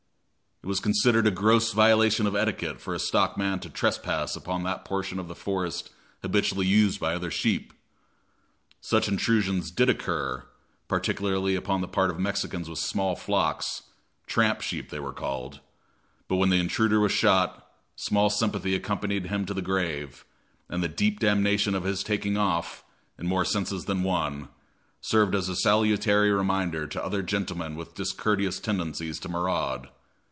It was considered a gross violation of etiquette for a stockman to trespass upon that portion of the forest habitually used by other sheep. Such intrusions did occur, particularly upon the part of Mexicans with small flocks "tramp sheep" they were called; but when the intruder was shot, small sympathy accompanied him to the grave, and the deep damnation of his taking off, in more senses than one, served as a salutary reminder to other gentlemen with discourteous tendencies to maraud.